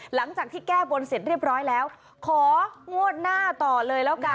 หลังจากที่แก้บนเสร็จเรียบร้อยแล้วของวดหน้าต่อเลยแล้วกัน